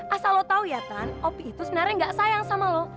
asal lo tau ya tan opi itu sebenarnya gak sayang sama lo